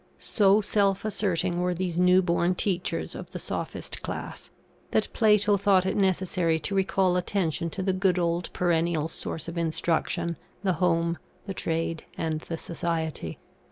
So self asserting were these new born teachers of the Sophist class, that Plato thought it necessary to recall attention to the good old perennial source of instruction, the home, the trade, and the society.